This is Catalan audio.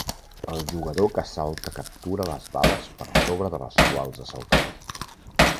El jugador que salta captura les bales per sobre de les quals ha saltat.